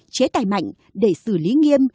chế tài mạnh để xử lý nghiêm